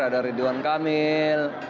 ada ridwan kamil